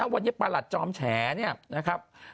วันนี้ประหลัดจอมแฉเนี่ยนะครับ